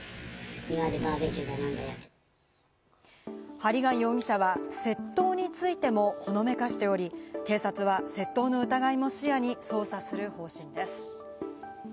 針谷容疑者は窃盗についてもほのめかしており、警察は窃盗の疑いも視野に捜査する方針です。